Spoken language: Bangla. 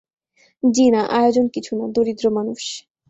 জ্বি-না, আয়োজন কিছুনা, দরিদ্র মানুষ।